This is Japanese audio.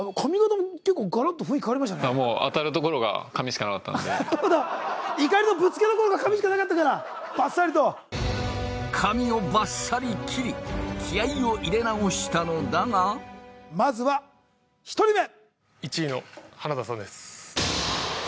もう当たるところが髪しかなかったんで怒りのぶつけどころが髪しかなかったからバッサリと髪をバッサリ切り気合いを入れ直したのだがまずは１人目１位の花田さんです